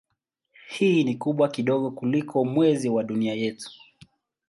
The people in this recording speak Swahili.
Hii ni kubwa kidogo kuliko Mwezi wa Dunia yetu.